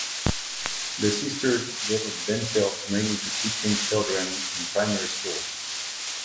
The sisters devote themselves mainly to teaching children in primary schools.